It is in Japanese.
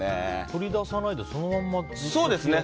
取り出さないでそのままなんですね。